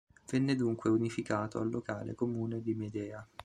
Venne dunque unificato al locale comune di Medea.